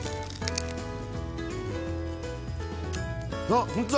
あっ本当だ。